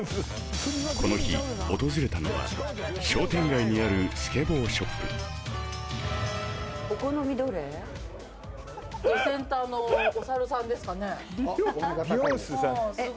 この日訪れたのは商店街にあるスケボーショップセンターのお猿さんですかね・あっお目が高いです